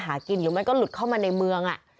หากินหรือมันก็หลุดเข้ามาในเมือง